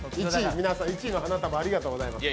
皆さん１位の花束、ありがとうございます。